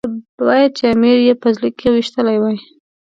باید چې امیر یې په زړه کې ويشتلی وای.